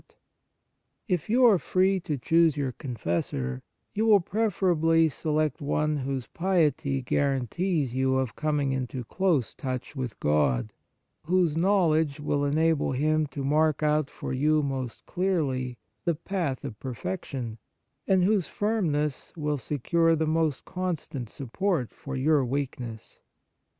97 G On the Exercises of Piety If you are free to choose your con fessor, you will preferably select one whose piety guarantees you of coming into close touch with God, whose knowledge will enable him to mark out for you most clearly the path of perfection, and whose firmness will secure the most constant support for your weakness.